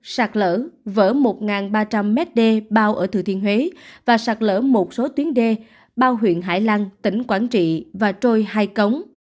sạc lỡ vỡ một ba trăm linh mét đê bao ở thừa thiên huế và sạc lỡ một số tuyến đê bao huyện hải lăng tỉnh quảng trị và trôi hai cống